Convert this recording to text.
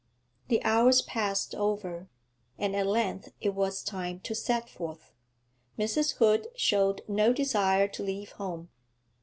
The hours passed over, and at length it was time to set forth. Mrs. Hood showed no desire to leave home.